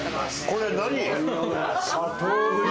これ何？